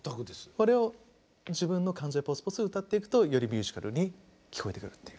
それを自分の感情でポツポツ歌っていくとよりミュージカルに聞こえてくるという。